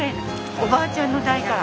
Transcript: おばあちゃんの代から。